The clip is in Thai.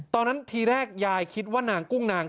ตอนแรกทีแรกยายคิดว่านางกุ้งนาง